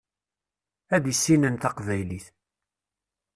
Ad issinen taqbaylit.